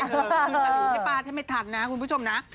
ขึ้นตะหลิวให้ป้าแช่ไม่ทันนะคุณผู้ชมนะ